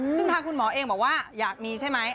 ซึ่งทางคุณหมอเองบอกว่าอยากมีใช่ไหม